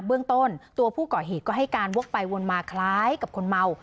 เบื้องต้นตัวผู้ก่อเหตุก็ให้การวกไปวนมาคล้ายกับคนเมา